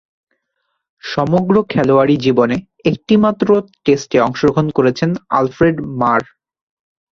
সমগ্র খেলোয়াড়ী জীবনে একটিমাত্র টেস্টে অংশগ্রহণ করেছেন আলফ্রেড মার।